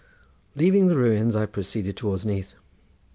Leaving the ruins I proceeded towards Neath.